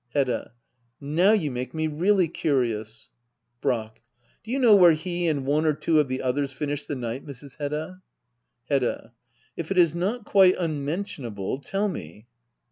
Hedda* Now you make me really curious Brack. Do you know where he and one or two of the others finished the night, Mrs. Hedda ? Hedda. If it is not quite unmentionable, tell me.